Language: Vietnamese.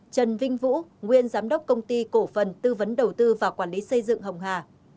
trần vinh vũ nguyên giám đốc công ty cổ phần tư vấn đầu tư và quản lý xây dựng hồng hà